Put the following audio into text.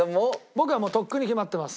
僕はもうとっくに決まってます。